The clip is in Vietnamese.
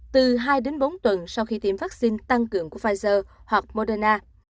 từ hai đến bốn tuần sau khi tiêm vaccine tăng cường của pfizer hoặc moderna